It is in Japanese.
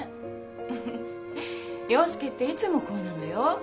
フフッ陽佑っていつもこうなのよ。